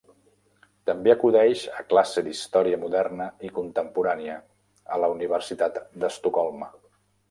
També acudeix a classe d'història moderna i contemporània, a la Universitat d'Estocolm.